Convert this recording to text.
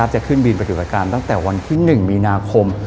จะขึ้นบินไปตรวจอาการตั้งแต่วันที่๑มีนาคม